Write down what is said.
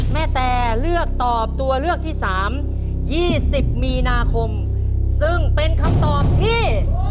แตเลือกตอบตัวเลือกที่สาม๒๐มีนาคมซึ่งเป็นคำตอบที่